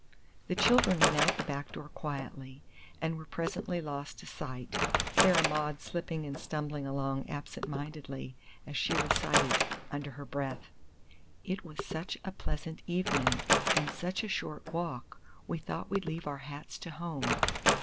The children went out the back door quietly, and were presently lost to sight, Sarah Maud slipping and stumbling along absent mindedly as she recited, under her breath, "It was such a pleasant evenin' an sech a short walk we thought we'd leave our hats to home."